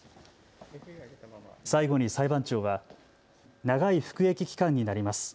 最後に裁判長は長い服役期間になります。